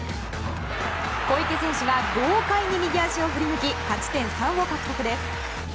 小池選手が豪快に右足を振り抜き勝ち点３を獲得です。